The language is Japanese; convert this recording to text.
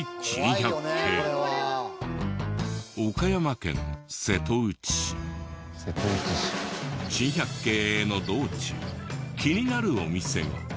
珍百景への道中気になるお店が。